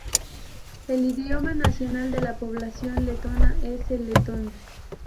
El idioma nacional de la población letona es el letón.